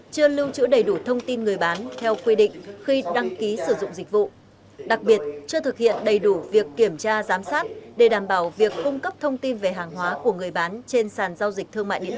chưa lưu trữ đầy đủ thông tin người bán theo quy định khi đăng ký sử dụng dịch vụ đặc biệt chưa thực hiện đầy đủ việc kiểm tra giám sát để đảm bảo việc cung cấp thông tin về hàng hóa của người bán trên sàn giao dịch thương mại điện tử